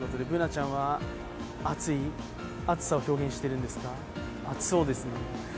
Ｂｏｏｎａちゃんは暑さを表現しているんですかね。